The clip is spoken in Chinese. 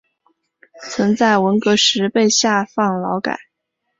曾在文革时被下放劳改。